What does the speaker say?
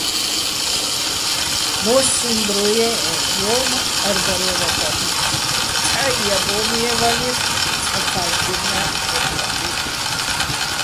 მო́სსიჼ დრო ჲე́ჸენე́, ვო́მაჸ არ-დარე́ვადალიჼ: ცჰ̦ა იაპონიე ვალირ, ცჰ̦ა ქალქირნა ფჰ̦ეჰ̦ ვატირ.